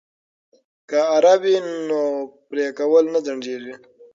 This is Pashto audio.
که اره وي نو پرې کول نه ځنډیږي.